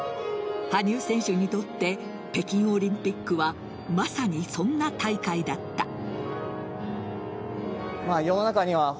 羽生選手にとって北京オリンピックはまさに、そんな大会だった。